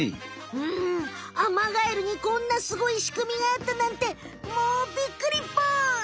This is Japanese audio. うんアマガエルにこんなスゴいしくみがあったなんてもうびっくりぽん！